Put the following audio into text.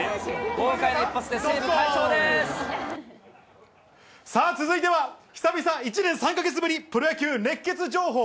豪快な一発で西さあ、続いては、久々、１年３か月ぶり、プロ野球熱ケツ情報。